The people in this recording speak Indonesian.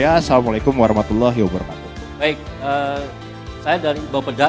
wassalamu alaikum warahmatullahi wabarakatuh baik saya dari bopeda